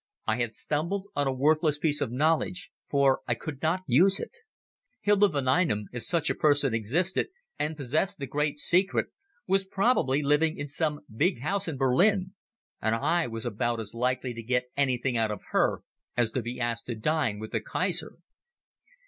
I had stumbled on a worthless piece of knowledge, for I could not use it. Hilda von Einem, if such a person existed and possessed the great secret, was probably living in some big house in Berlin, and I was about as likely to get anything out of her as to be asked to dine with the Kaiser.